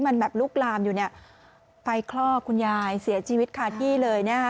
มันแบบลุกลามอยู่เนี่ยไฟคลอกคุณยายเสียชีวิตคาที่เลยนะฮะ